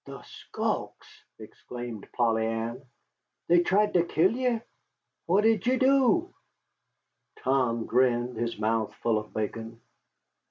"The skulks!" exclaimed Polly Ann. "They tried to kill ye? What did ye do?" Tom grinned, his mouth full of bacon.